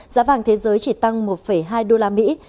giá vàng thế giới chỉ tăng một hai đô la mỹ